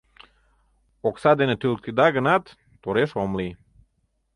Окса дене тӱлыктеда гынат, тореш ом лий.